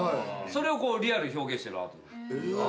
それをこうリアルに表現してるアート。